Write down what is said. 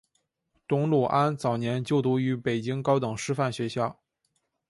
董鲁安早年就读于北京高等师范学校。